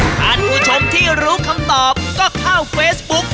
ท่านผู้ชมที่รู้คำตอบก็เข้าเฟซบุ๊ก